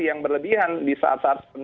yang berlebihan di saat saat